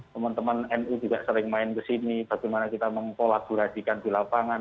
teman teman nu juga sering main ke sini bagaimana kita mempolak buradikan di lapangan